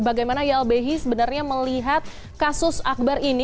bagaimana ylbhi sebenarnya melihat kasus akbar ini